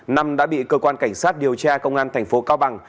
năm đã bị cơ quan cảnh sát điều tra công an thành phố cao bằng